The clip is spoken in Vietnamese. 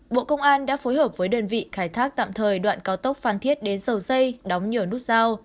bộ công an đã phối hợp với đơn vị khai thác tạm thời đoạn cao tốc phan thiết đến dầu dây đóng nhiều nút giao